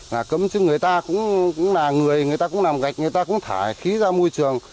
là cấm chứ người ta cũng là người người ta cũng làm gạch người ta cũng thải khí ra môi trường